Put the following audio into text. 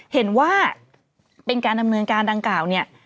เห็นว่าเป็นการดำเนินการดังกล่าวเนี่ย